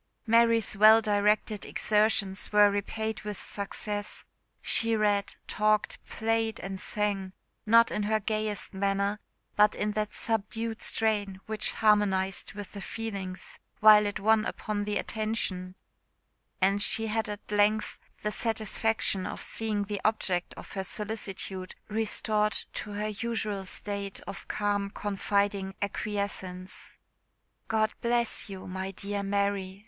Mary's well directed exertions were repaid with success; she read, talked, played, and sang, not in her gayest manner, but in that subdued strain which harmonised with the feelings, while it won upon the attention, and she had at length the satisfaction of seeing the object of her solicitude restored to her usual state of calm confiding acquiescence. "God bless you, my dear Mary!"